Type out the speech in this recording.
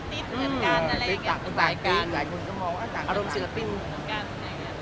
หลายคนก็มองว่าอารมณ์เฉลี่ยติด